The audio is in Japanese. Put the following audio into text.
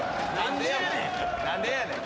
何でやねん。